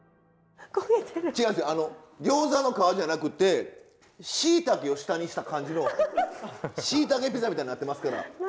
ギョーザの皮じゃなくてしいたけを下にした感じのしいたけピザみたいになってますから。